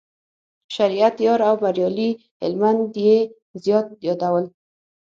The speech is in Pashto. شریعت یار او بریالي هلمند یې زیات یادول.